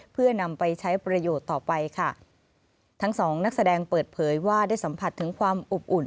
เพื่อนำไปใช้ประโยชน์ต่อไปค่ะทั้งสองนักแสดงเปิดเผยว่าได้สัมผัสถึงความอบอุ่น